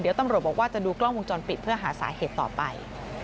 เดี๋ยวตำรวจบอกว่าจะดูกล้องวงจรปิดเพื่อหาสาเหตุต่อไป